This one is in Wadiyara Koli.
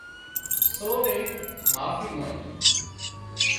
سورئي معافي مانڄي